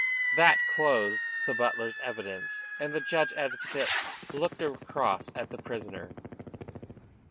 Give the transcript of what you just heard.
That closed the butler's evidence, and the judge advocate looked across at the prisoner.